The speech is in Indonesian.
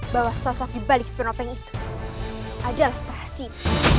bahwa sosok di balik spinopeng itu adalah perhasil